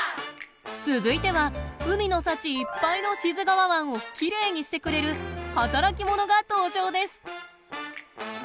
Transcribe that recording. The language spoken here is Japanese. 続いては海の幸いっぱいの志津川湾をきれいにしてくれる働き者が登場です。